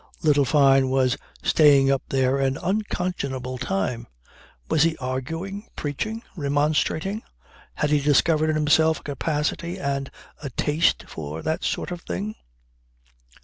Little Fyne was staying up there an unconscionable time. Was he arguing, preaching, remonstrating? Had he discovered in himself a capacity and a taste for that sort of thing?